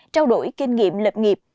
trao đổi kinh nghiệm lập nghiệp